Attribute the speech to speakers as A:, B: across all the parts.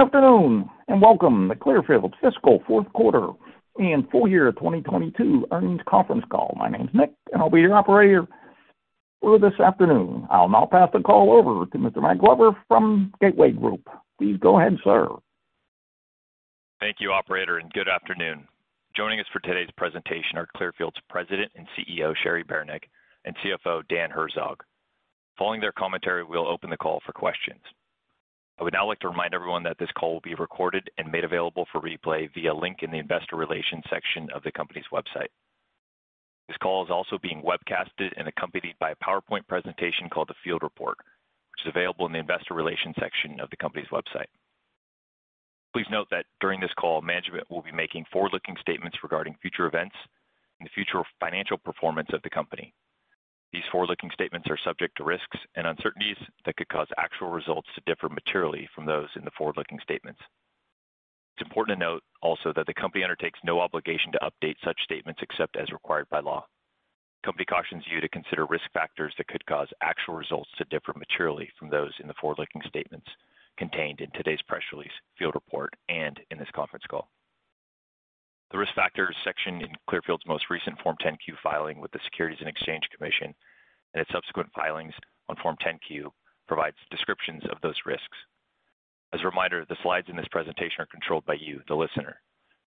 A: Good afternoon, and welcome to Clearfield's Fiscal Fourth Quarter and Full Year 2022 Earnings Conference Call. My name is Nick, and I'll be your operator for this afternoon. I'll now pass the call over to Mr. Matt Glover from Gateway Group. Please go ahead, sir.
B: Thank you, operator, and good afternoon. Joining us for today's presentation are Clearfield's President and CEO, Cheri Beranek, and CFO, Dan Herzog. Following their commentary, we'll open the call for questions. I would now like to remind everyone that this call will be recorded and made available for replay via link in the investor relations section of the company's website. This call is also being webcasted and accompanied by a PowerPoint presentation called the FieldReport, which is available in the investor relations section of the company's website. Please note that during this call, management will be making forward-looking statements regarding future events and the future financial performance of the company. These forward-looking statements are subject to risks and uncertainties that could cause actual results to differ materially from those in the forward-looking statements. It's important to note also that the company undertakes no obligation to update such statements except as required by law. The company cautions you to consider risk factors that could cause actual results to differ materially from those in the forward-looking statements contained in today's press release, FieldReport, and in this conference call. The Risk Factors section in Clearfield's most recent Form 10-Q filing with the Securities and Exchange Commission and its subsequent filings on Form 10-Q provides descriptions of those risks. As a reminder, the slides in this presentation are controlled by you, the listener.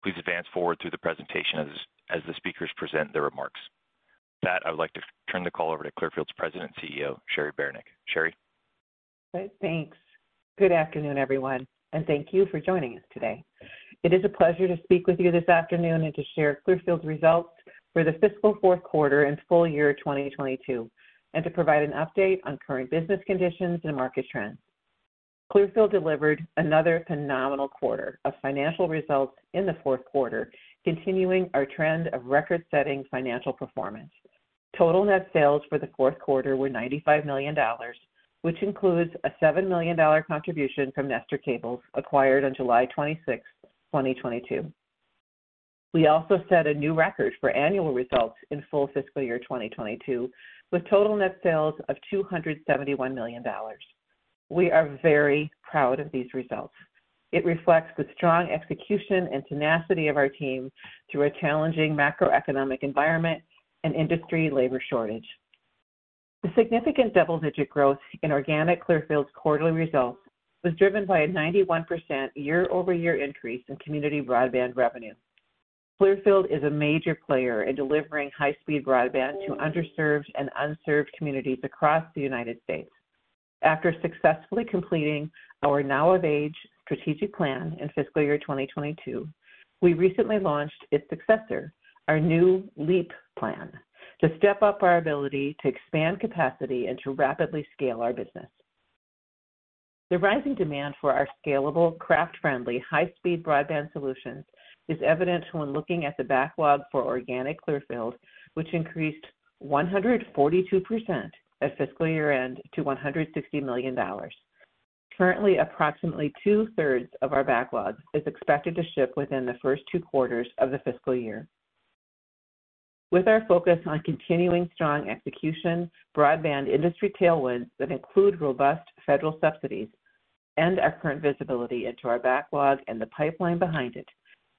B: Please advance forward through the presentation as the speakers present their remarks. With that, I would like to turn the call over to Clearfield's President and CEO, Cheri Beranek. Cheri?
C: Okay, thanks. Good afternoon, everyone, and thank you for joining us today. It is a pleasure to speak with you this afternoon and to share Clearfield's Results for the Fiscal Fourth Quarter and Full Year 2022, and to provide an update on current business conditions and market trends. Clearfield delivered another phenomenal quarter of financial results in the fourth quarter, continuing our trend of record-setting financial performance. Total net sales for the fourth quarter were $95 million, which includes a $7 million contribution from Nestor Cables, acquired on July 26th, 2022. We also set a new record for annual results in full fiscal year 2022, with total net sales of $271 million. We are very proud of these results. It reflects the strong execution and tenacity of our team through a challenging macroeconomic environment and industry labor shortage. The significant double-digit growth in organic Clearfield's quarterly results was driven by a 91% year-over-year increase in community broadband revenue. Clearfield is a major player in delivering high-speed broadband to underserved and unserved communities across the United States. After successfully completing our Now of Age strategic plan in fiscal year 2022, we recently launched its successor, our new LEAP plan, to step up our ability to expand capacity and to rapidly scale our business. The rising demand for our scalable, craft-friendly, high-speed broadband solutions is evident when looking at the backlog for organic Clearfield, which increased 142% at fiscal year-end to $160 million. Currently, approximately 2/3 of our backlogs is expected to ship within the first two quarters of the fiscal year. With our focus on continuing strong execution, broadband industry tailwinds that include robust federal subsidies, and our current visibility into our backlog and the pipeline behind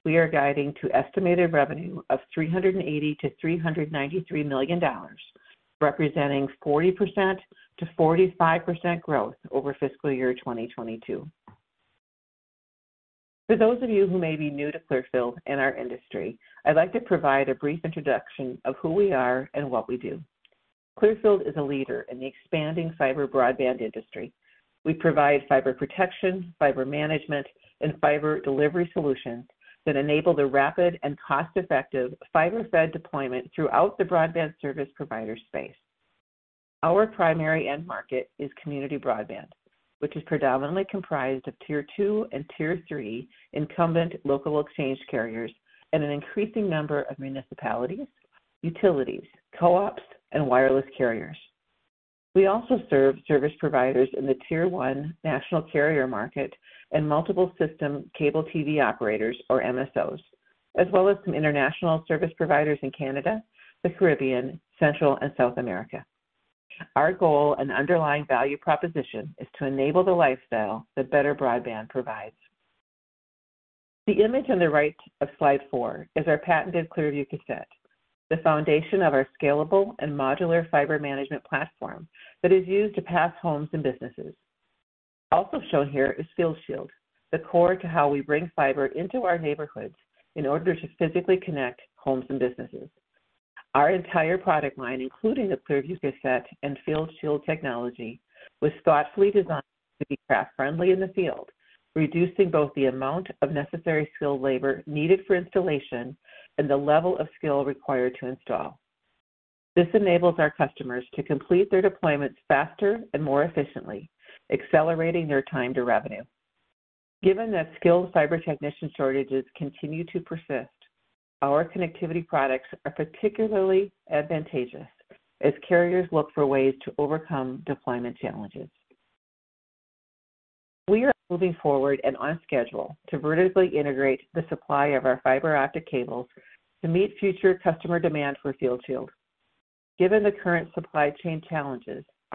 C: it, we are guiding to estimated revenue of $380 million-$393 million, representing 40%-45% growth over fiscal year 2022. For those of you who may be new to Clearfield and our industry, I'd like to provide a brief introduction of who we are and what we do. Clearfield is a leader in the expanding fiber broadband industry. We provide fiber protection, fiber management, and fiber delivery solutions that enable the rapid and cost-effective fiber-fed deployment throughout the broadband service provider space. Our primary end market is community broadband, which is predominantly comprised of Tier 2 and Tier 3 incumbent local exchange carriers and an increasing number of municipalities, utilities, co-ops, and wireless carriers. We also serve service providers in the Tier 1 national carrier market and multiple system cable TV operators, or MSOs, as well as some international service providers in Canada, the Caribbean, Central and South America. Our goal and underlying value proposition is to enable the lifestyle that better broadband provides. The image on the right of slide 4 is our patented Clearview Cassette, the foundation of our scalable and modular fiber management platform that is used to pass homes and businesses. Also shown here is FieldShield, the core to how we bring fiber into our neighborhoods in order to physically connect homes and businesses. Our entire product line, including the Clearview Cassette and FieldShield technology, was thoughtfully designed to be craft-friendly in the field, reducing both the amount of necessary skilled labor needed for installation and the level of skill required to install. This enables our customers to complete their deployments faster and more efficiently, accelerating their time to revenue. Given that skilled fiber technician shortages continue to persist, our connectivity products are particularly advantageous as carriers look for ways to overcome deployment challenges. We are moving forward and on schedule to vertically integrate the supply of our fiber optic cables to meet future customer demand for FieldShield. Given the current supply chain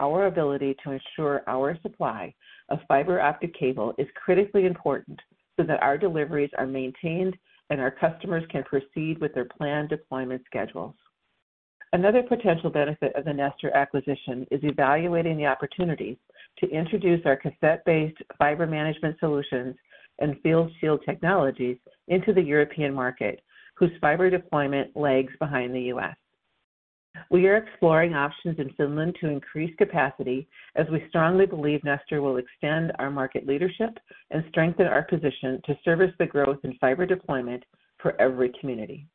C: challenges, our ability to ensure our supply of fiber optic cable is critically important so that our deliveries are maintained and our customers can proceed with their planned deployment schedules. Another potential benefit of the Nestor acquisition is evaluating the opportunities to introduce our cassette-based fiber management solutions and FieldShield technologies into the European market, whose fiber deployment lags behind the U.S. We are exploring options in Finland to increase capacity as we strongly believe Nestor will extend our market leadership and strengthen our position to service the growth in fiber deployment for every community.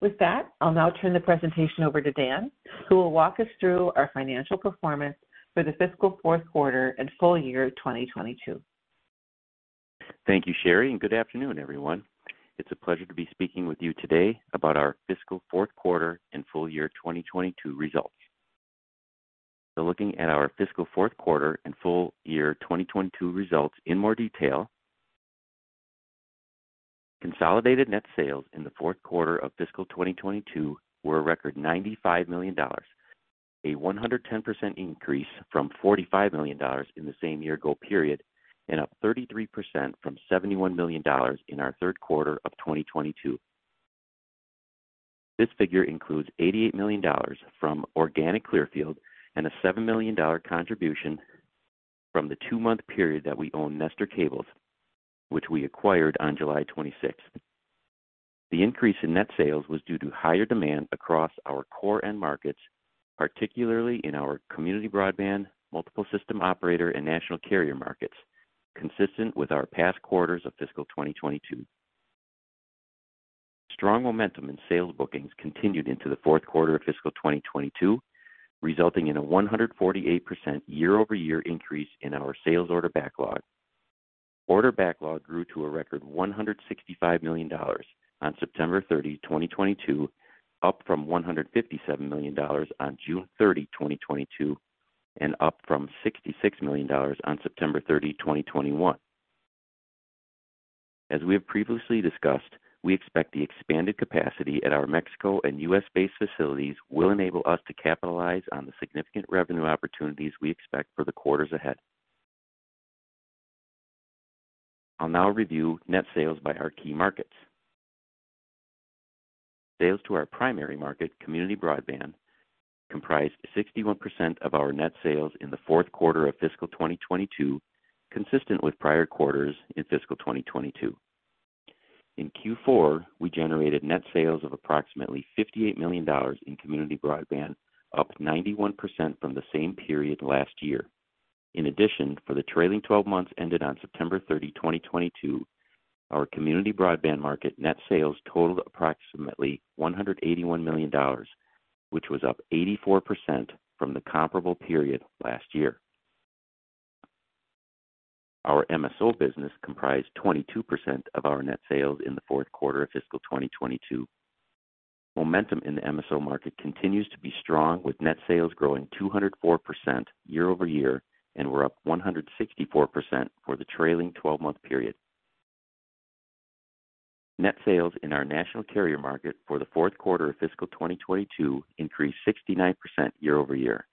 C: With that, I'll now turn the presentation over to Dan, who will walk us through our financial performance for the fiscal fourth quarter and full year 2022.
D: Thank you, Cheri, and good afternoon, everyone. It's a pleasure to be speaking with you today about our fiscal fourth quarter and full year 2022 results. Looking at our fiscal fourth quarter and full year 2022 results in more detail, consolidated net sales in the fourth quarter of fiscal 2022 were a record $95 million, a 110% increase from $45 million in the same year-ago period and up 33% from $71 million in our third quarter of 2022. This figure includes $88 million from organic Clearfield and a $7 million contribution from the two-month period that we own Nestor Cables, which we acquired on July 26th. The increase in net sales was due to higher demand across our core end markets, particularly in our community broadband, multiple system operator, and national carrier markets, consistent with our past quarters of fiscal 2022. Strong momentum in sales bookings continued into the fourth quarter of fiscal 2022, resulting in a 148% year-over-year increase in our sales order backlog. Order backlog grew to a record $165 million on September 30, 2022, up from $157 million on June 30, 2022, and up from $66 million on September 30, 2021. As we have previously discussed, we expect the expanded capacity at our Mexico and U.S.-based facilities will enable us to capitalize on the significant revenue opportunities we expect for the quarters ahead. I'll now review net sales by our key markets. Sales to our primary market, community broadband, comprised 61% of our net sales in the fourth quarter of fiscal 2022, consistent with prior quarters in fiscal 2022. In Q4, we generated net sales of approximately $58 million in community broadband, up 91% from the same period last year. In addition, for the trailing 12 months ended on September 30, 2022, our community broadband market net sales totaled approximately $181 million, which was up 84% from the comparable period last year. Our MSO business comprised 22% of our net sales in the fourth quarter of fiscal 2022. Momentum in the MSO market continues to be strong with net sales growing 204% year-over-year, and we're up 164% for the trailing 12-month period. Net sales in our national carrier market for the fourth quarter of fiscal 2022 increased 69% year-over-year.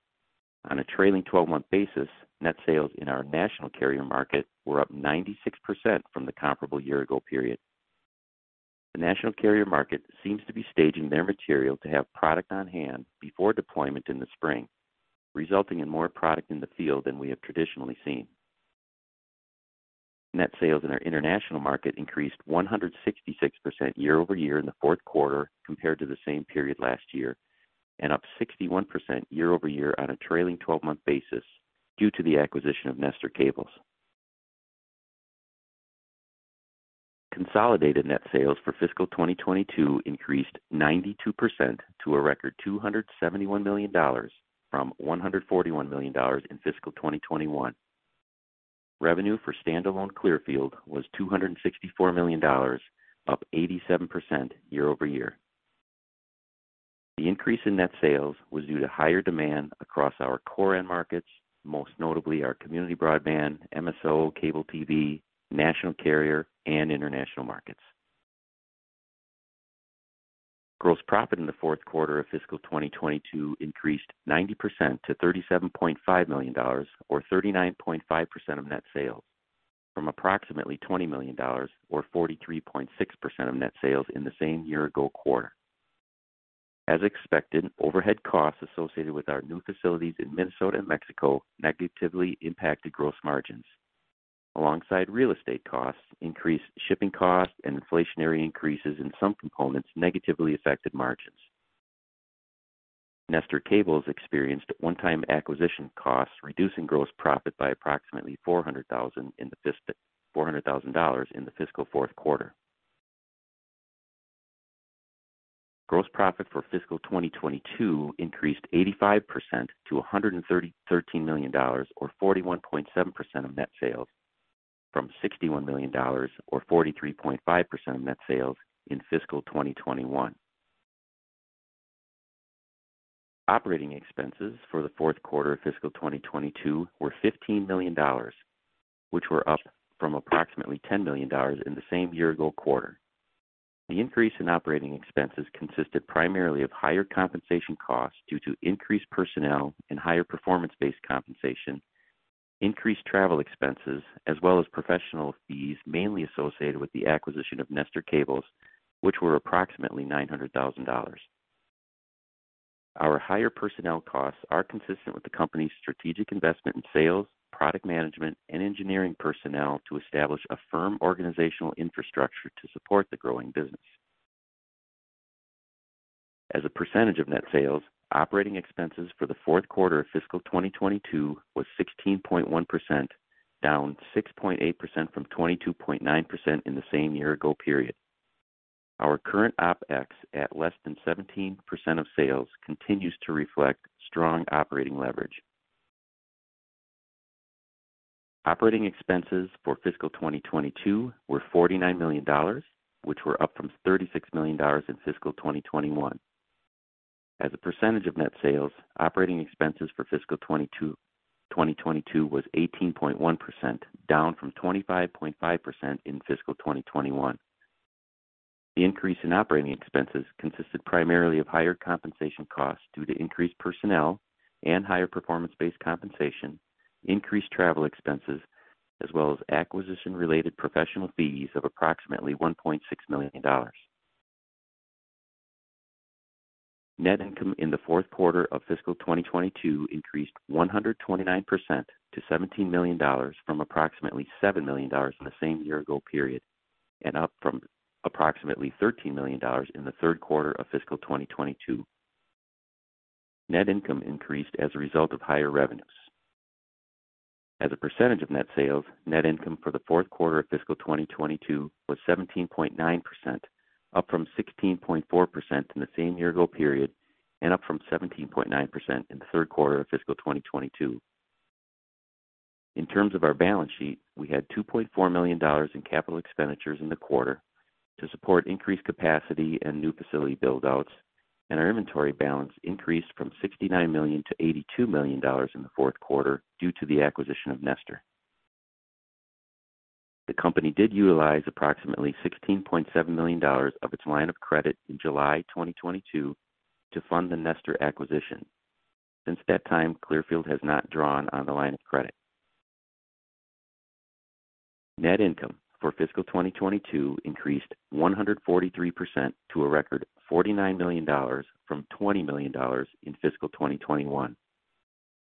D: On a trailing 12-month basis, net sales in our national carrier market were up 96% from the comparable year-ago period. The national carrier market seems to be staging their material to have product on hand before deployment in the spring, resulting in more product in the field than we have traditionally seen. Net sales in our international market increased 166% year-over-year in the fourth quarter compared to the same period last year, and up 61% year-over-year on a trailing 12-month basis due to the acquisition of Nestor Cables. Consolidated net sales for fiscal 2022 increased 92% to a record $271 million from $141 million in fiscal 2021. Revenue for standalone Clearfield was $264 million, up 87% year-over-year. The increase in net sales was due to higher demand across our core end markets, most notably our community broadband, MSO, cable T.V., national carrier, and international markets. Gross profit in the fourth quarter of fiscal 2022 increased 90% to $37.5 million or 39.5% of net sales from approximately $20 million or 43.6% of net sales in the same year-ago quarter. As expected, overhead costs associated with our new facilities in Minnesota and Mexico negatively impacted gross margins. Alongside real estate costs, increased shipping costs, and inflationary increases in some components negatively affected margins. Nestor Cables experienced one-time acquisition costs, reducing gross profit by approximately $400,000 in the fiscal fourth quarter. Gross profit for fiscal 2022 increased 85% to $113 million or 41.7% of net sales from $61 million or 43.5% of net sales in fiscal 2021. Operating expenses for the fourth quarter of fiscal 2022 were $15 million, which were up from approximately $10 million in the same year-ago quarter. The increase in operating expenses consisted primarily of higher compensation costs due to increased personnel and higher performance-based compensation, increased travel expenses, as well as professional fees mainly associated with the acquisition of Nestor Cables, which were approximately $900,000. Our higher personnel costs are consistent with the company's strategic investment in sales, product management, and engineering personnel to establish a firm organizational infrastructure to support the growing business. As a percentage of net sales, operating expenses for the fourth quarter of fiscal 2022 was 16.1%, down 6.8% from 22.9% in the same year-ago period. Our current OpEx at less than 17% of sales continues to reflect strong operating leverage. Operating expenses for fiscal 2022 were $49 million, which were up from $36 million in fiscal 2021. As a percentage of net sales, operating expenses for fiscal 2022 was 18.1%, down from 25.5% in fiscal 2021. The increase in operating expenses consisted primarily of higher compensation costs due to increased personnel and higher performance-based compensation, increased travel expenses, as well as acquisition-related professional fees of approximately $1.6 million. Net income in the fourth quarter of fiscal 2022 increased 129% to $17 million from approximately $7 million in the same year-ago period, and up from approximately $13 million in the third quarter of fiscal 2022. Net income increased as a result of higher revenues. As a percentage of net sales, net income for the fourth quarter of fiscal 2022 was 17.9%, up from 16.4% in the same year-ago period and up from 17.9% in the third quarter of fiscal 2022. In terms of our balance sheet, we had $2.4 million in capital expenditures in the quarter to support increased capacity and new facility build-outs, and our inventory balance increased from $69 million-$82 million in the fourth quarter due to the acquisition of Nestor. The company did utilize approximately $16.7 million of its line of credit in July 2022 to fund the Nestor acquisition. Since that time, Clearfield has not drawn on the line of credit. Net income for fiscal 2022 increased 143% to a record $49 million from $20 million in fiscal 2021.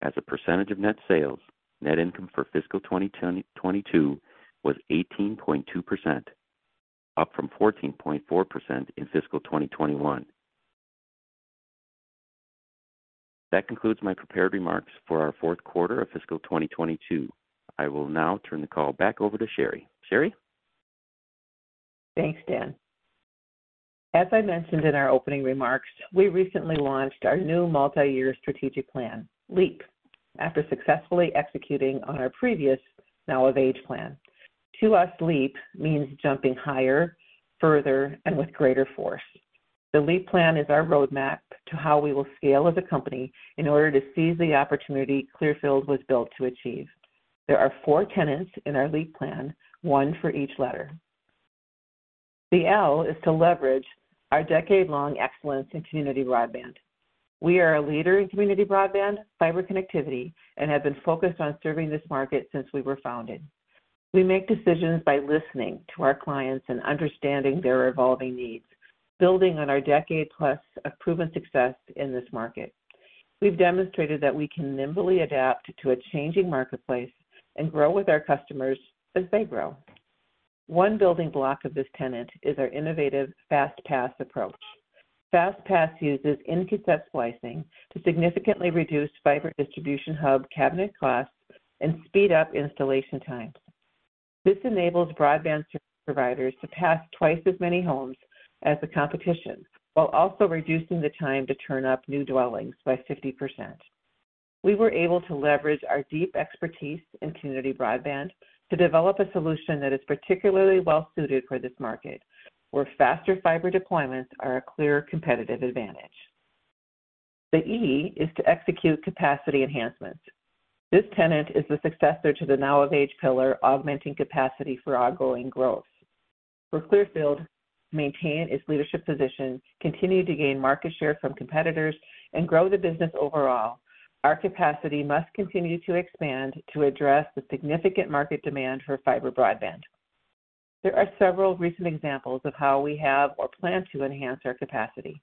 D: As a percentage of net sales, net income for fiscal 2022 was 18.2%, up from 14.4% in fiscal 2021. That concludes my prepared remarks for our fourth quarter of fiscal 2022. I will now turn the call back over to Cheri. Cheri?
C: Thanks, Dan. As I mentioned in our opening remarks, we recently launched our new multi-year strategic plan, LEAP, after successfully executing on our previous Now of Age plan. To us, LEAP means jumping higher, further, and with greater force. The LEAP plan is our roadmap to how we will scale as a company in order to seize the opportunity Clearfield was built to achieve. There are 4 tenets in our LEAP plan, 1 for each letter. The L is to leverage our decade-long excellence in community broadband. We are a leader in community broadband, fiber connectivity, and have been focused on serving this market since we were founded. We make decisions by listening to our clients and understanding their evolving needs, building on our decade-plus of proven success in this market. We've demonstrated that we can nimbly adapt to a changing marketplace and grow with our customers as they grow. One building block of this tenet is our innovative FastPass approach. FastPass uses in-cassette splicing to significantly reduce fiber distribution hub cabinet costs and speed up installation times. This enables broadband providers to pass twice as many homes as the competition, while also reducing the time to turn up new dwellings by 50%. We were able to leverage our deep expertise in community broadband to develop a solution that is particularly well suited for this market, where faster fiber deployments are a clear competitive advantage. The E is to execute capacity enhancements. This tenet is the successor to the Now of Age pillar, augmenting capacity for ongoing growth. For Clearfield to maintain its leadership position, continue to gain market share from competitors, and grow the business overall, our capacity must continue to expand to address the significant market demand for fiber broadband. There are several recent examples of how we have or plan to enhance our capacity.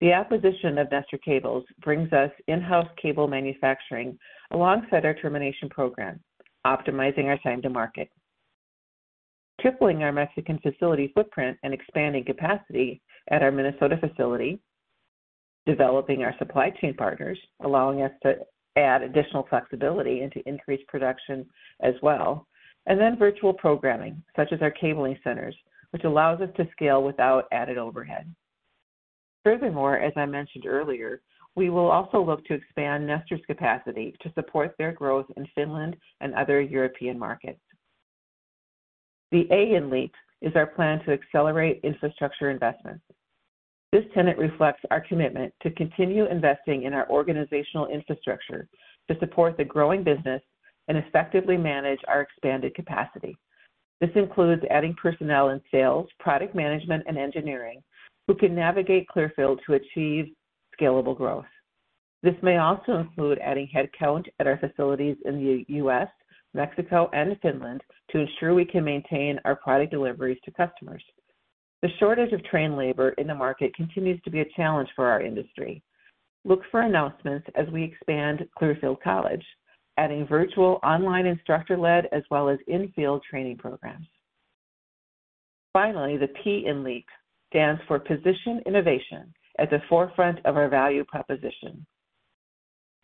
C: The acquisition of Nestor Cables brings us in-house cable manufacturing alongside our termination program, optimizing our time to market. Tripling our Mexican facility footprint and expanding capacity at our Minnesota facility, developing our supply chain partners, allowing us to add additional flexibility and to increase production as well, and then virtual programming such as our cabling centers, which allows us to scale without added overhead. Furthermore, as I mentioned earlier, we will also look to expand Nestor's capacity to support their growth in Finland and other European markets. The A in LEAP is our plan to accelerate infrastructure investments. This tenet reflects our commitment to continue investing in our organizational infrastructure to support the growing business and effectively manage our expanded capacity. This includes adding personnel in sales, product management, and engineering who can navigate Clearfield to achieve scalable growth. This may also include adding headcount at our facilities in the U.S., Mexico, and Finland to ensure we can maintain our product deliveries to customers. The shortage of trained labor in the market continues to be a challenge for our industry. Look for announcements as we expand Clearfield College, adding virtual online instructor-led, as well as in-field training programs. Finally, the P in LEAP stands for position innovation at the forefront of our value proposition.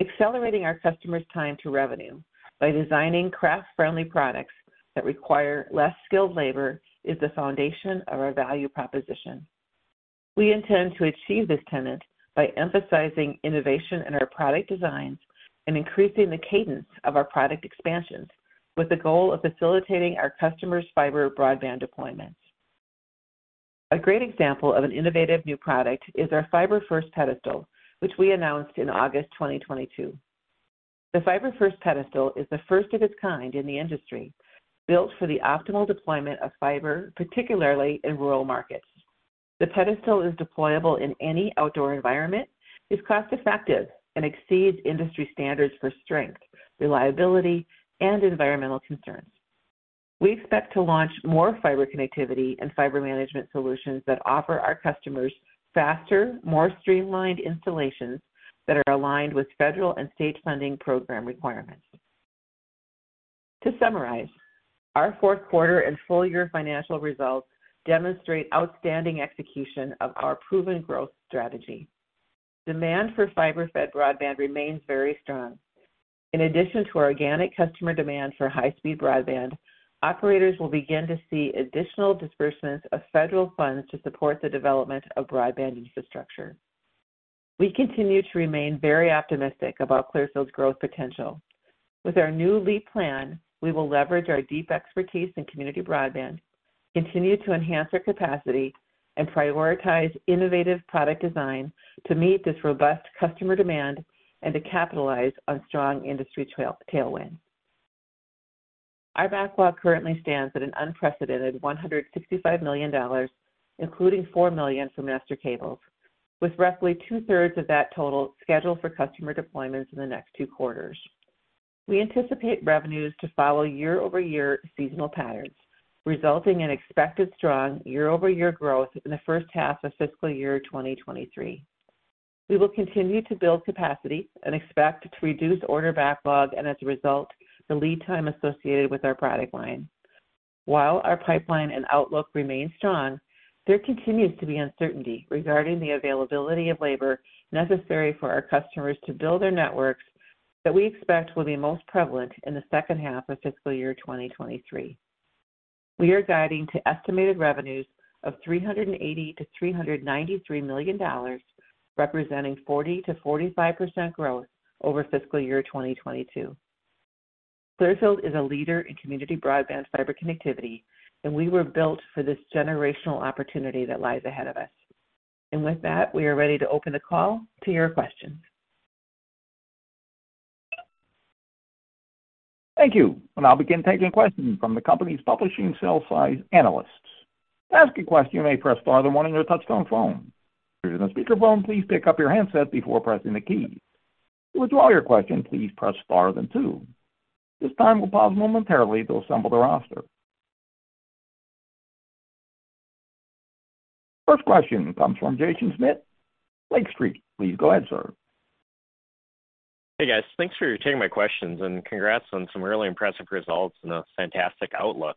C: Accelerating our customers' time to revenue by designing craft-friendly products that require less skilled labor is the foundation of our value proposition. We intend to achieve this tenet by emphasizing innovation in our product designs and increasing the cadence of our product expansions with the goal of facilitating our customers' fiber broadband deployments. A great example of an innovative new product is our FiberFirst Pedestal, which we announced in August 2022. The FiberFirst Pedestal is the first of its kind in the industry, built for the optimal deployment of fiber, particularly in rural markets. The pedestal is deployable in any outdoor environment, is cost-effective, and exceeds industry standards for strength, reliability, and environmental concerns. We expect to launch more fiber connectivity and fiber management solutions that offer our customers faster, more streamlined installations that are aligned with federal and state funding program requirements. To summarize, our fourth quarter and full year financial results demonstrate outstanding execution of our proven growth strategy. Demand for fiber-fed broadband remains very strong. In addition to organic customer demand for high-speed broadband, operators will begin to see additional disbursements of federal funds to support the development of broadband infrastructure. We continue to remain very optimistic about Clearfield's growth potential. With our new LEAP plan, we will leverage our deep expertise in community broadband, continue to enhance our capacity, and prioritize innovative product design to meet this robust customer demand and to capitalize on strong industry tailwind. Our backlog currently stands at an unprecedented $165 million, including $4 million for Nestor Cables, with roughly 2/3 of that total scheduled for customer deployments in the next two quarters. We anticipate revenues to follow year-over-year seasonal patterns, resulting in expected strong year-over-year growth in the first half of fiscal year 2023. We will continue to build capacity and expect to reduce order backlog and, as a result, the lead time associated with our product line. While our pipeline and outlook remain strong, there continues to be uncertainty regarding the availability of labor necessary for our customers to build their networks that we expect will be most prevalent in the second half of fiscal year 2023. We are guiding to estimated revenues of $380 million-$393 million, representing 40%-45% growth over fiscal year 2022. Clearfield is a leader in community broadband fiber connectivity, and we were built for this generational opportunity that lies ahead of us. With that, we are ready to open the call to your questions.
A: Thank you. I'll begin taking questions from the company's publishing sell-side analysts. To ask a question, you may press star then one on your touch-tone phone. If you're using a speakerphone, please pick up your handset before pressing the key. To withdraw your question, please press star then two. This time, we'll pause momentarily to assemble the roster. First question comes from Jaeson Schmidt, Lake Street. Please go ahead, sir.
E: Hey, guys. Thanks for taking my questions, and congrats on some really impressive results and a fantastic outlook.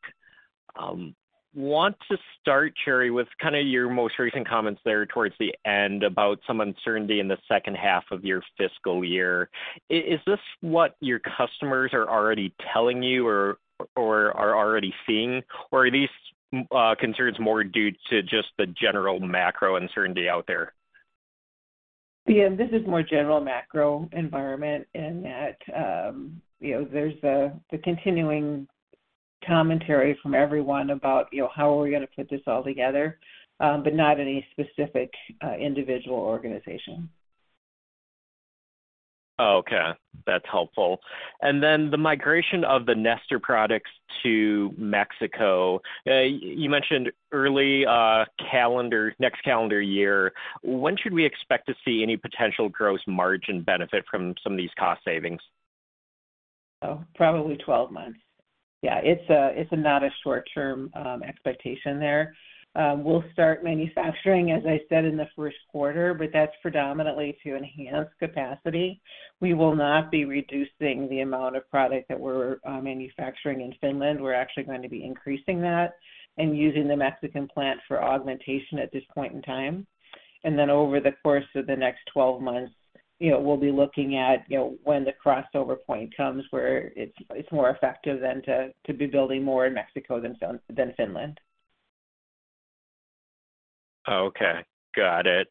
E: Um, want to start, Cheri, with kind of your most recent comments there towards the end about some uncertainty in the second half of your fiscal year. I-is this what your customers are already telling you or are already seeing? Or are these, uh, concerns more due to just the general macro uncertainty out there?
C: Yeah. This is more general macro environment in that, you know, there's the continuing commentary from everyone about, you know, how are we gonna put this all together, but not any specific individual organization.
E: Oh, okay. That's helpful. The migration of the Nestor products to Mexico, you mentioned early next calendar year. When should we expect to see any potential gross margin benefit from some of these cost savings?
C: Oh, probably 12 months. Yeah. It's not a short-term expectation there. We'll start manufacturing, as I said, in the first quarter, but that's predominantly to enhance capacity. We will not be reducing the amount of product that we're manufacturing in Finland. We're actually going to be increasing that and using the Mexican plant for augmentation at this point in time. Over the course of the next 12 months, you know, we'll be looking at, you know, when the crossover point comes where it's more effective then to be building more in Mexico than Finland.
E: Okay, got it.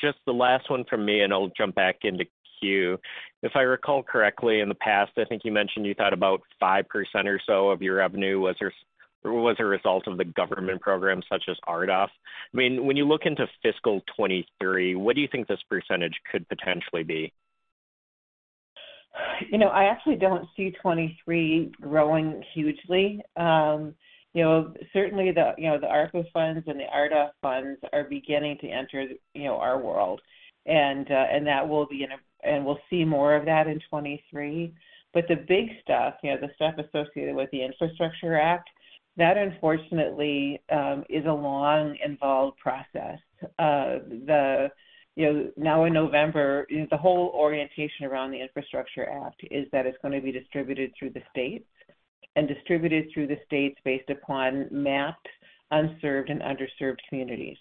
E: Just the last one from me, and I'll jump back into queue. If I recall correctly, in the past, I think you mentioned you thought about 5% or so of your revenue was a result of the government program such as RDOF. I mean, when you look into fiscal 2023, what do you think this percentage could potentially be?
C: You know, I actually don't see 2023 growing hugely. You know, certainly the, you know, the ARPA funds and the RDOF funds are beginning to enter, you know, our world. We'll see more of that in 2023. The big stuff, you know, the stuff associated with the Infrastructure Act, that unfortunately is a long involved process. You know, now in November, the whole orientation around the Infrastructure Act is that it's gonna be distributed through the states based upon mapped, unserved, and underserved communities.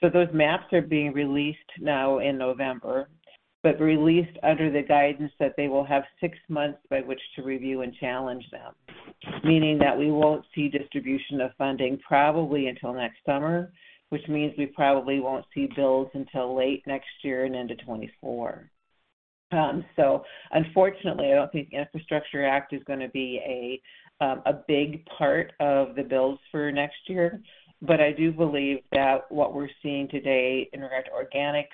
C: Those maps are being released now in November, but released under the guidance that they will have six months by which to review and challenge them. Meaning that we won't see distribution of funding probably until next summer, which means we probably won't see builds until late next year and into 2024. Unfortunately, I don't think the Infrastructure Act is gonna be a big part of the builds for next year. I do believe that what we're seeing today in regard to organic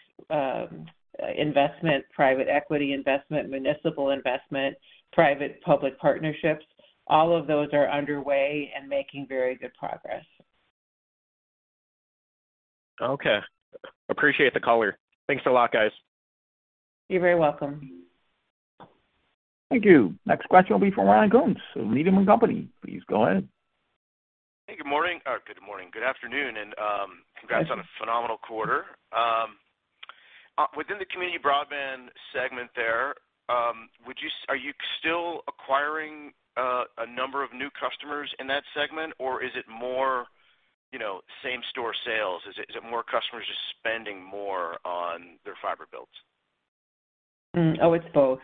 C: investment, private equity investment, municipal investment, private-public partnerships, all of those are underway and making very good progress.
E: Okay. Appreciate the color. Thanks a lot, guys.
C: You're very welcome.
A: Thank you. Next question will be from Ryan Koontz of Needham & Company. Please go ahead.
F: Hey, good morning. Good afternoon, congrats on a phenomenal quarter. Within the community broadband segment there, are you still acquiring a number of new customers in that segment, or is it more, you know, same-store sales? Is it more customers just spending more on their fiber builds?
C: It's both.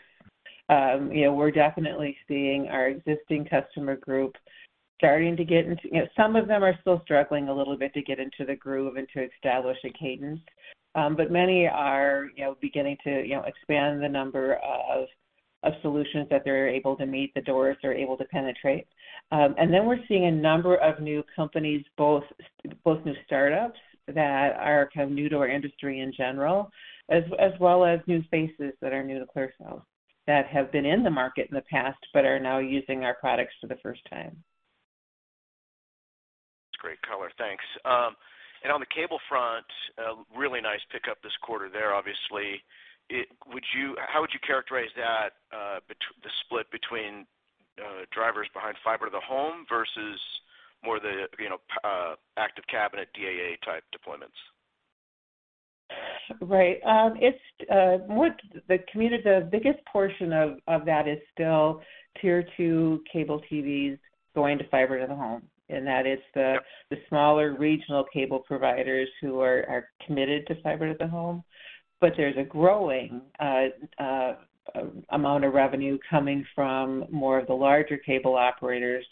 C: You know, we're definitely seeing our existing customer group starting to get into, you know, some of them are still struggling a little bit to get into the groove and to establish a cadence. Many are, you know, beginning to, you know, expand the number of solutions that they're able to meet the doors they're able to penetrate. We're seeing a number of new companies, both new startups that are kind of new to our industry in general, as well as new faces that are new to Clearfield that have been in the market in the past, but are now using our products for the first time.
F: That's great color. Thanks. On the cable front, a really nice pickup this quarter there, obviously. How would you characterize that, the split between drivers behind fiber to the home versus more the, you know, active cabinet DAA-type deployments?
C: Right. It's more the community. The biggest portion of that is still Tier 2 cable TVs going to fiber to the home. That is the smaller regional cable providers who are committed to fiber to the home. There's a growing amount of revenue coming from more of the larger cable operators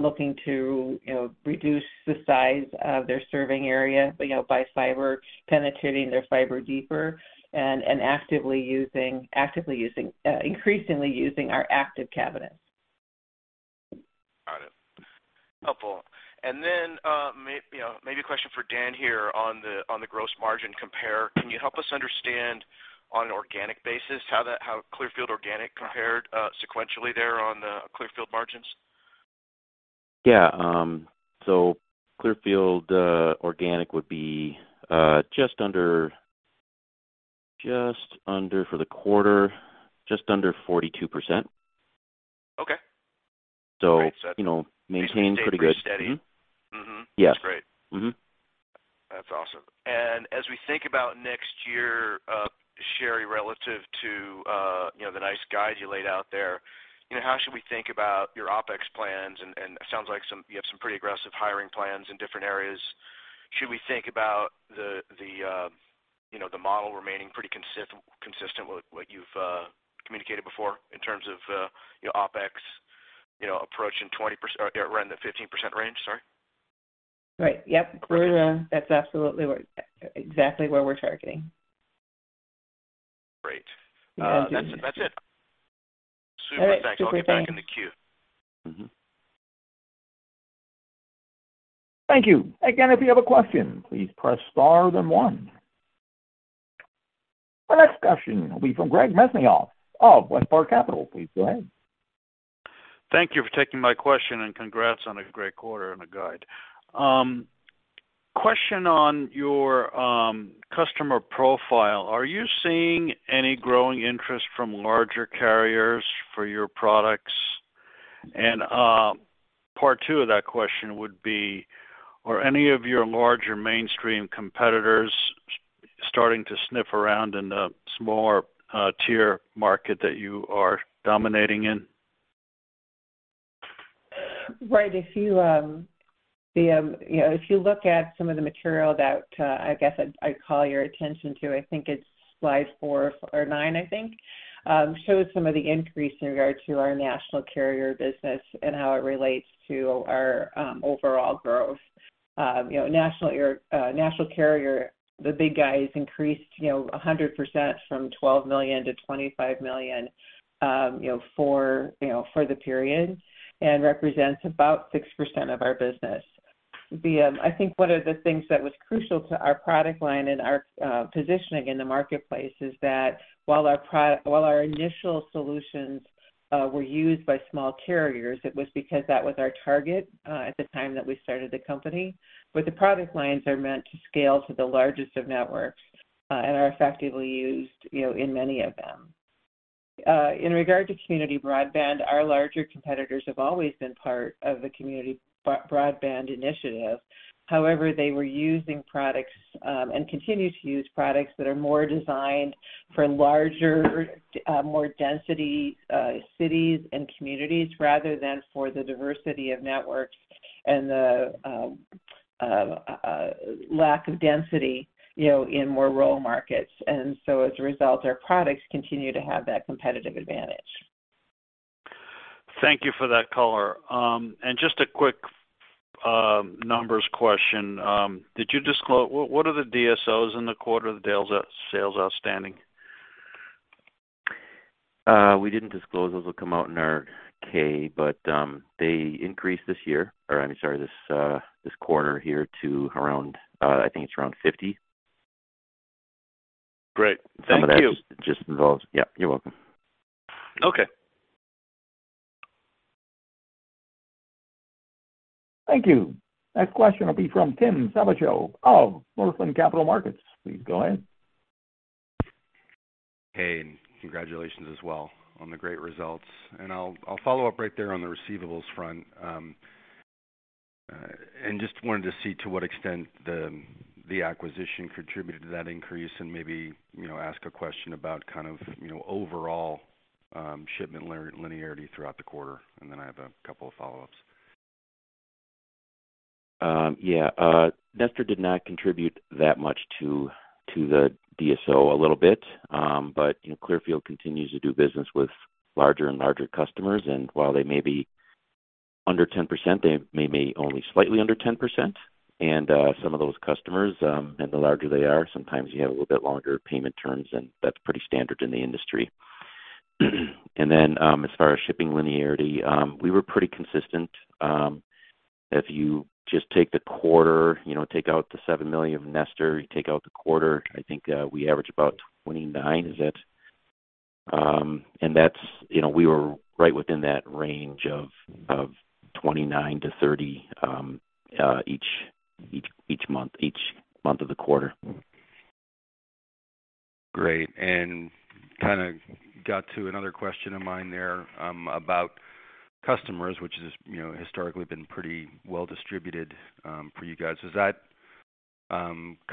C: looking to, you know, reduce the size of their serving area, you know, by fiber, penetrating their fiber deeper and increasingly using our active cabinets.
F: Got it. Helpful. You know, maybe a question for Dan here on the gross margin compare. Can you help us understand on an organic basis how Clearfield organic compared sequentially there on the Clearfield margins?
D: Yeah. Clearfield organic would be for the quarter, just under 42%.
F: Okay.
D: You know, maintaining pretty good.
F: Pretty steady.
D: Mm-hmm.
F: Mm-hmm.
D: Yeah.
F: That's great.
D: Mm-hmm.
F: That's awesome. As we think about next year, Cheri, relative to, you know, the nice guide you laid out there, you know, how should we think about your OpEx plans? It sounds like you have some pretty aggressive hiring plans in different areas. Should we think about, you know, the model remaining pretty consistent with what you've communicated before in terms of, you know, OpEx, you know, approaching 20% or around the 15% range? Sorry.
C: Right. Yep.
F: Okay.
C: That's absolutely where, exactly where we're targeting.
F: Great.
C: Yeah.
F: That's it. That's it.
C: All right.
F: Super thanks. I'll get back in the queue.
D: Mm-hmm.
A: Thank you. Again, if you have a question, please press star then one. The next question will be from Greg Mesniaeff of WestPark Capital. Please go ahead.
G: Thank you for taking my question, and congrats on a great quarter and a guide. Question on your customer profile. Are you seeing any growing interest from larger carriers for your products? Part two of that question would be, are any of your larger mainstream competitors starting to sniff around in the smaller tier market that you are dominating in?
C: Right. You know, if you look at some of the material that I guess I'd call your attention to, I think it's slide 4 or 9, I think, shows some of the increase in regard to our national carrier business and how it relates to our overall growth. You know, national carrier, the big guys increased, you know, 100% from $12 million-$25 million, you know, for the period, and represents about 6% of our business. I think one of the things that was crucial to our product line and our positioning in the marketplace is that while our initial solutions were used by small carriers, it was because that was our target at the time that we started the company. The product lines are meant to scale to the largest of networks and are effectively used, you know, in many of them. In regard to community broadband, our larger competitors have always been part of the community broadband initiative. However, they were using products and continue to use products that are more designed for larger, more density cities and communities rather than for the diversity of networks and the lack of density, you know, in more rural markets. As a result, our products continue to have that competitive advantage.
G: Thank you for that color. Just a quick numbers question. Did you disclose what are the DSOs in the quarter, the days sales outstanding?
D: We didn't disclose. Those will come out in our K. They increased this quarter here to around, I think it's around 50.
G: Great. Thank you.
D: Yeah, you're welcome.
G: Okay.
A: Thank you. Next question will be from Tim Savageaux of Northland Capital Markets. Please go ahead.
H: Hey, congratulations as well on the great results. I'll follow up right there on the receivables front and just wanted to see to what extent the acquisition contributed to that increase and maybe, you know, ask a question about kind of, you know, overall shipment linearity throughout the quarter. I have a couple of follow-ups.
D: Yeah. Nestor did not contribute that much to the DSO a little bit. You know, Clearfield continues to do business with larger and larger customers. While they may be under 10%, they may only slightly under 10%. Some of those customers, and the larger they are, sometimes you have a little bit longer payment terms, and that's pretty standard in the industry. As far as shipping linearity, we were pretty consistent. If you just take the quarter, you know, take out the $7 million Nestor, you take out the quarter, I think we average about 29. That's, you know, we were right within that range of 29-30 each month of the quarter.
H: Great. Kinda got to another question of mine there about customers, which is, you know, historically been pretty well distributed for you guys. Is that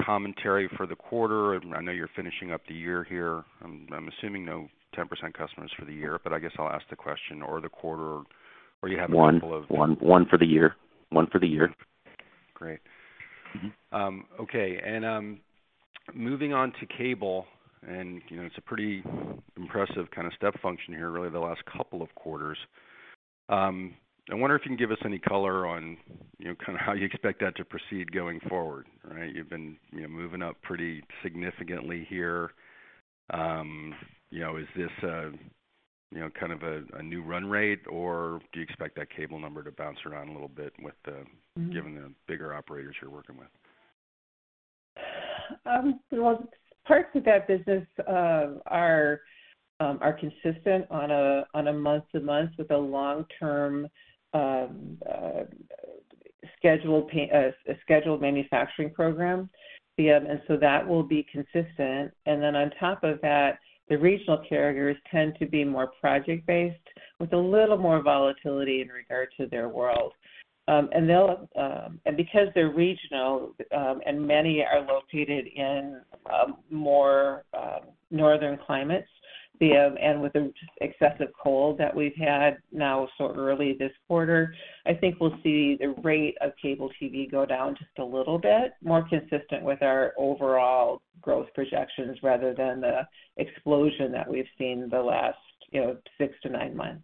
H: commentary for the quarter? I know you're finishing up the year here. I'm assuming no 10% customers for the year, but I guess I'll ask the question or the quarter or you have a couple of?
D: One for the year.
H: Great.
D: Mm-hmm.
H: Okay. Moving on to cable, you know, it's a pretty impressive kind of step function here really the last couple of quarters. I wonder if you can give us any color on, you know, kind of how you expect that to proceed going forward. Right? You've been, you know, moving up pretty significantly here. You know, is this a, you know, kind of a new run rate, or do you expect that cable number to bounce around a little bit?
C: Mm-hmm.
H: Given the bigger operators you're working with?
C: Well, parts of that business are consistent on a month-to-month with a long-term scheduled manufacturing program. That will be consistent. On top of that, the regional carriers tend to be more project-based with a little more volatility in regard to their world. Because they're regional, and many are located in more northern climates, with the just excessive cold that we've had now so early this quarter, I think we'll see the rate of cable TV go down just a little bit, more consistent with our overall growth projections rather than the explosion that we've seen the last, you know, 6-9 months.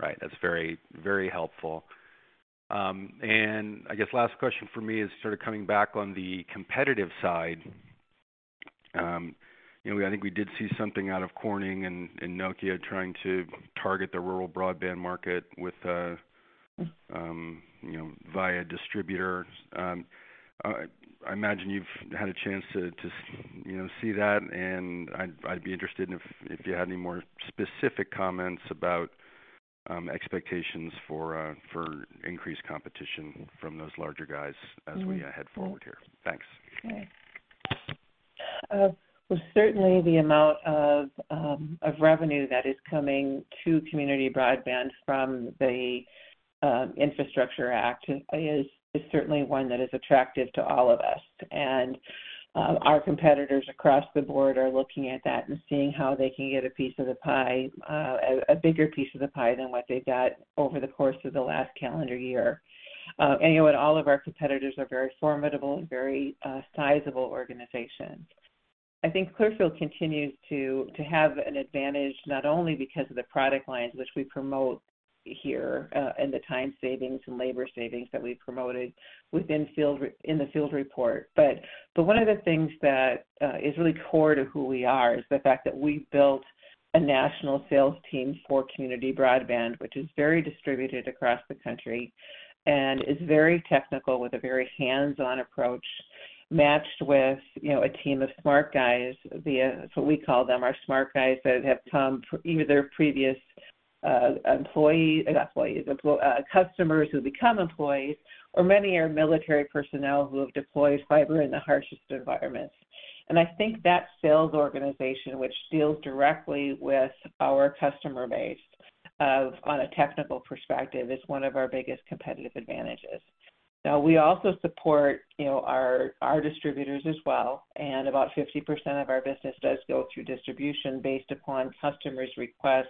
H: Right. That's very, very helpful. I guess last question for me is sort of coming back on the competitive side. You know, I think we did see something out of Corning and Nokia trying to target the rural broadband market with, you know, via distributors. I imagine you've had a chance to, you know, see that, and I'd be interested in if you had any more specific comments about expectations for increased competition from those larger guys as we head forward here. Thanks.
C: Okay. Well, certainly the amount of revenue that is coming to community broadband from the Infrastructure Act is certainly one that is attractive to all of us. Our competitors across the board are looking at that and seeing how they can get a piece of the pie, a bigger piece of the pie than what they've got over the course of the last calendar year. You know what? All of our competitors are very formidable and very sizable organizations. I think Clearfield continues to have an advantage, not only because of the product lines which we promote here, and the time savings and labor savings that we promoted in the FieldReport. One of the things that is really core to who we are is the fact that we built a national sales team for community broadband, which is very distributed across the country and is very technical with a very hands-on approach matched with, you know, a team of smart guys. That's what we call them, our smart guys, that have come from either previous customers who become employees, or many are military personnel who have deployed fiber in the harshest environments. I think that sales organization, which deals directly with our customer base on a technical perspective, is one of our biggest competitive advantages. Now, we also support, you know, our distributors as well, and about 50% of our business does go through distribution based upon customers' request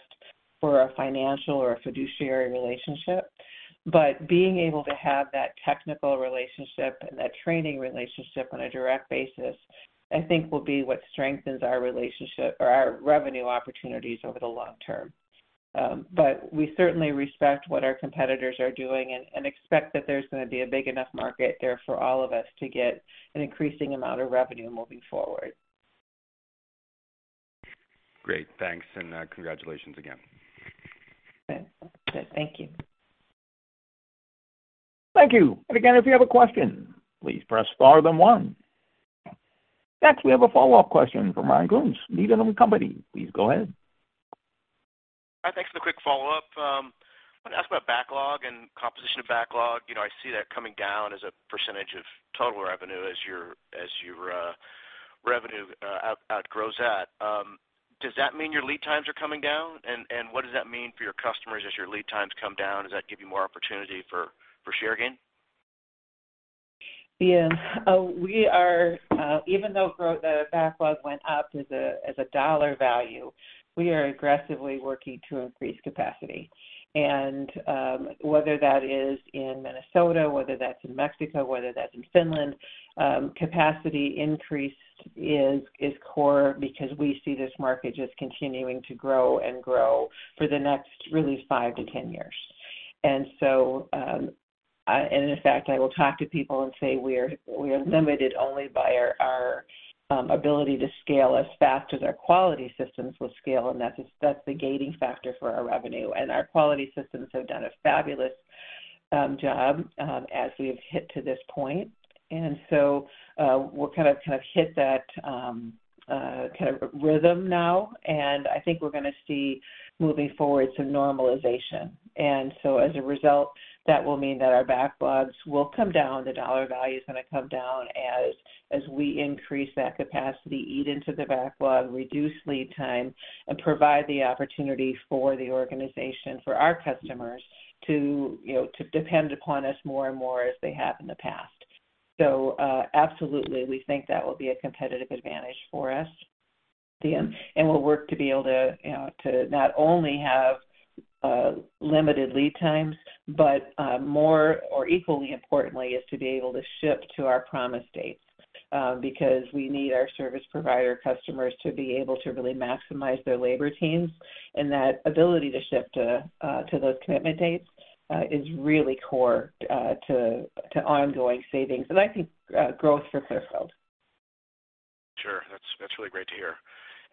C: for a financial or a fiduciary relationship. Being able to have that technical relationship and that training relationship on a direct basis, I think will be what strengthens our relationship or our revenue opportunities over the long term. We certainly respect what our competitors are doing and expect that there's gonna be a big enough market there for all of us to get an increasing amount of revenue moving forward.
H: Great. Thanks and congratulations again.
C: Okay. Thank you.
A: Thank you. Again, if you have a question, please press star then one. Next we have a follow-up question from Ryan Koontz, Needham & Company. Please go ahead.
F: Hi, thanks for the quick follow-up. Want to ask about backlog and composition of backlog. You know, I see that coming down as a percentage of total revenue as your revenue outgrows that. Does that mean your lead times are coming down? What does that mean for your customers as your lead times come down? Does that give you more opportunity for share gain?
C: Yeah. We are, even though the backlog went up as a dollar value, we are aggressively working to increase capacity. Whether that is in Minnesota, whether that's in Mexico, whether that's in Finland, capacity increase is core because we see this market just continuing to grow and grow for the next really 5-10 years. In fact, I will talk to people and say we're limited only by our ability to scale as fast as our quality systems will scale, and that's the gating factor for our revenue. Our quality systems have done a fabulous job as we have hit to this point. We'll kind of hit that kind of rhythm now, and I think we're gonna see moving forward some normalization. As a result, that will mean that our backlogs will come down. The dollar value is gonna come down as we increase that capacity, eat into the backlog, reduce lead time, and provide the opportunity for the organization, for our customers to, you know, depend upon us more and more as they have in the past. Absolutely, we think that will be a competitive advantage for us. Yeah. We'll work to be able to, you know, not only have limited lead times, but more or equally importantly is to be able to ship to our promised dates because we need our service provider customers to be able to really maximize their labor teams. That ability to ship to those commitment dates is really core to ongoing savings and I think growth for Clearfield.
F: Sure. That's really great to hear.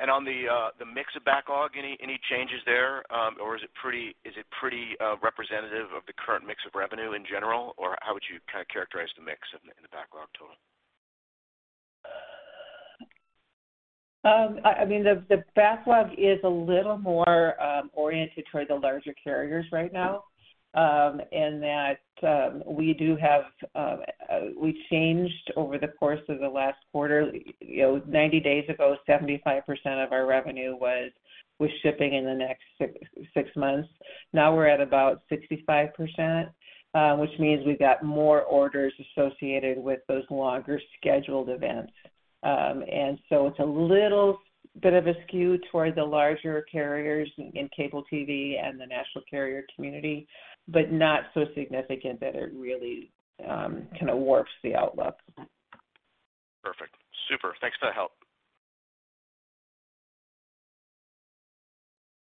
F: On the mix of backlog, any changes there? Is it pretty representative of the current mix of revenue in general? How would you kind of characterize the mix in the backlog total?
C: I mean, the backlog is a little more oriented toward the larger carriers right now in that we changed over the course of the last quarter. You know, 90 days ago, 75% of our revenue was shipping in the next six months. Now we're at about 65%, which means we've got more orders associated with those longer scheduled events. It's a little bit of a skew toward the larger carriers in cable T.V. and the national carrier community, but not so significant that it really kind of warps the outlook.
F: Perfect. Super. Thanks for the help.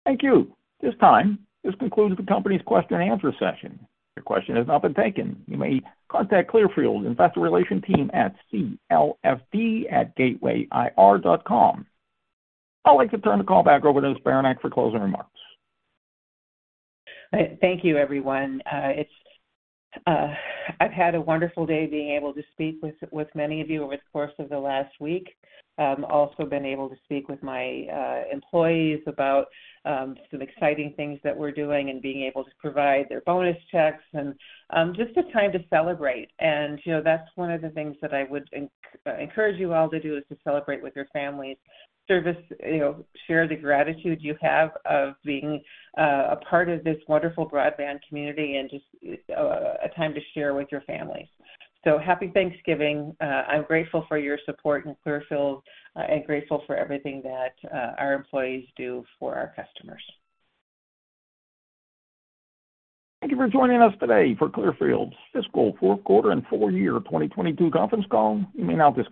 A: Thank you. At this time, this concludes the company's question and answer session. If your question has not been taken, you may contact Clearfield's investor relations team at clfd@gatewayir.com. I'd like to turn the call back over to Ms. Beranek for closing remarks.
C: Thank you, everyone. I've had a wonderful day being able to speak with many of you over the course of the last week. Also been able to speak with my employees about some exciting things that we're doing and being able to provide their bonus checks and just a time to celebrate. You know, that's one of the things that I would encourage you all to do, is to celebrate with your families. You know, share the gratitude you have of being a part of this wonderful broadband community and just a time to share with your families. Happy Thanksgiving. I'm grateful for your support in Clearfield and grateful for everything that our employees do for our customers.
A: Thank you for joining us today for Clearfield's Fiscal Fourth Quarter and Full Year 2022 Conference Call. You may now disconnect.